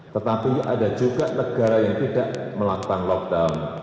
tetapi ada juga negara yang tidak melakukan lockdown